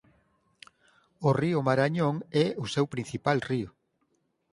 O río Marañón é o seu principal río.